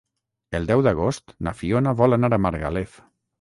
El deu d'agost na Fiona vol anar a Margalef.